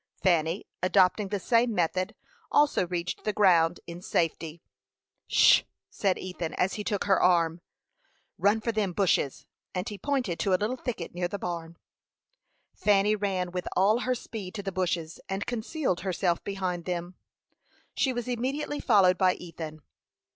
Fanny, adopting the same method, also reached the ground in safety. "'Sh!" said Ethan, as he took her arm. "Run for them bushes!" and he pointed to a little thicket near the barn. Fanny ran with all her speed to the bushes, and concealed herself behind them. She was immediately followed by Ethan.